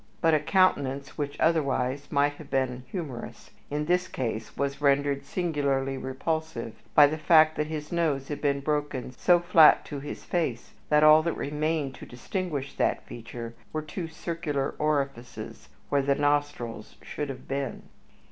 But a countenance which otherwise might have been humorous, in this case was rendered singularly repulsive by the fact that his nose had been broken so flat to his face that all that remained to distinguish that feature were two circular orifices where the nostrils should have been.